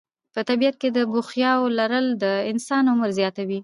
په طبیعت کې د بوختیاوو لرل د انسان عمر زیاتوي.